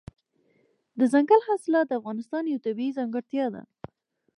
دځنګل حاصلات د افغانستان یوه طبیعي ځانګړتیا ده.